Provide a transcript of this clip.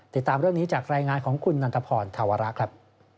ติดตามเรื่องนี้จากรายงานของคุณนันทพรธาวระครับ